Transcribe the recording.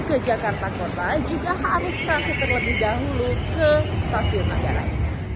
ke jakarta kota juga harus transit terlebih dahulu ke stasiun manggarai